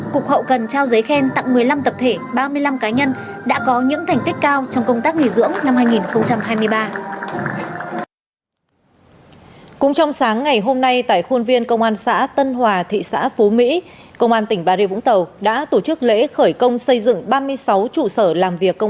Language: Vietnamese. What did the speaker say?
cục hậu cần trao giấy khen tặng một mươi năm tập thể ba mươi năm cá nhân đã có những thành tích cao trong công tác nghỉ dưỡng năm hai nghìn hai mươi ba